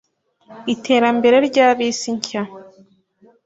Iterambere rya bisi nshya